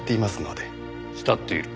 慕っている？